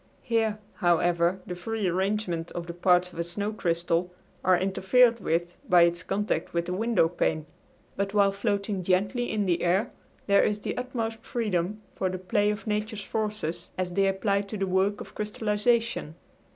Here, however, the free arrangement of the parts of a snow crystal are interfered with by its contact with the window pane, but while floating gently in the air there is the utmost freedom for the play of nature's forces as they apply to the work of crystallization.